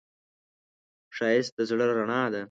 ښایست د زړه رڼا ده